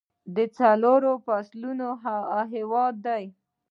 د څلورو فصلونو هیواد دی.